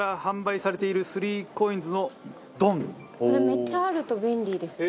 これめっちゃあると便利ですよ。